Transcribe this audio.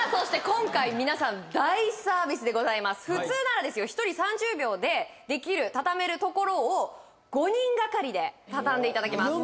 今回皆さん大サービスでございます普通ならですよ１人３０秒でできる畳めるところを５人がかりで畳んでいただきます